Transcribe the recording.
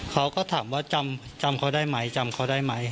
เขาก็ถามว่าจำเขาได้ไหมจำเขาได้ไหม